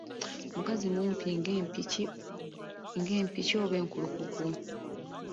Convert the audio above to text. Omukazi mumpi ng'empiki oba enkulukuku